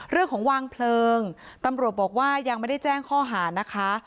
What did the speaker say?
เรื่องของวางเพลิงตำรวจบอกว่ายังไม่ได้แจ้งข้อหานะคะ